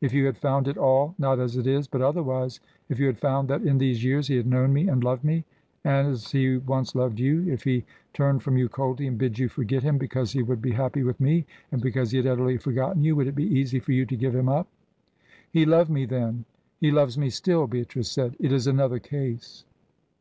If you had found it all, not as it is, but otherwise if you had found that in these years he had known me and loved me, as he once loved you, if he turned from you coldly and bid you forget him, because he would be happy with me, and because he had utterly forgotten you would it be easy for you to give him up?" "He loved me then he loves me still," Beatrice said. "It is another case."